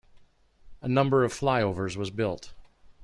A number of flyovers was built.